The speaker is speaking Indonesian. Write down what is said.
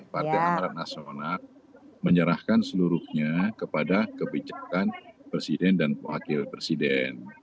partai amarat nasional menyerahkan seluruhnya kepada kebijakan presiden dan wakil presiden